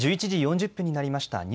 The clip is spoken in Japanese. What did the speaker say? １１時４０分になりました。